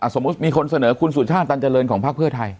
สมมุติมีคนเสนอคุณสุชาติตันเจริญของพักเพื่อไทย